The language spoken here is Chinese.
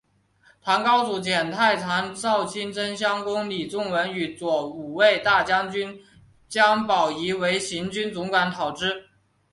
唐高祖遣太常少卿真乡公李仲文与左武卫大将军姜宝谊为行军总管讨之。